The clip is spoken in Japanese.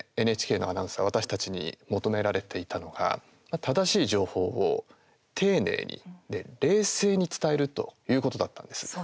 ＮＨＫのアナウンサー私たちに求められていたのが正しい情報を丁寧に冷静に伝えるということだったんです。